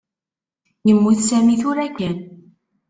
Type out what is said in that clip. Yemmut Sami tura kan.